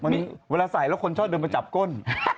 วันนี้เวลาใส่แล้วคนชอบเดินไปจับก้น